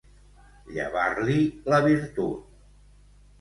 Llevar-li la virtut.